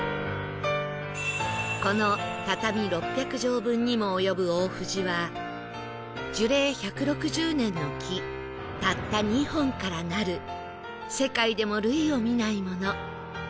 この畳６００畳分にも及ぶ大藤は樹齢１６０年の木たった２本からなる世界でも類を見ないもの